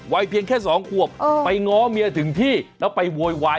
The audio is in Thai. เพียงแค่สองขวบไปง้อเมียถึงที่แล้วไปโวยวาย